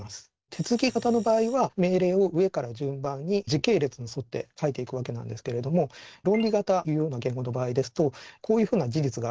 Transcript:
手続き型の場合は命令を上から順番に時系列に沿って書いていくわけなんですけれども論理型いうような言語の場合ですとこういうふうな事実がある。